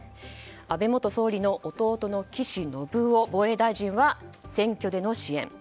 安倍元総理の弟の岸信夫防衛大臣は選挙での支援